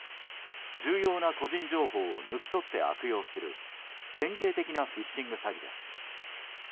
重要な個人情報を抜き取って悪用する典型的なフィッシング詐欺です。